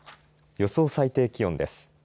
予想最低気温です。